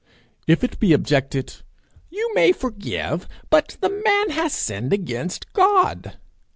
If it be objected, 'You may forgive, but the man has sinned against God!'